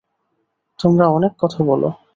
তোমরা অনেক কথা বলো।